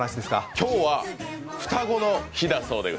今日は双子の日だそうです。